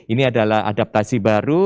ini adalah adaptasi baru